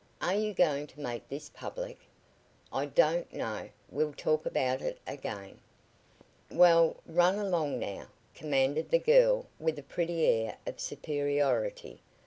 Are you going to make this public?" "I don't know. We'll talk about it again." "Well, run along now," commanded the girl with a pretty air of superiority.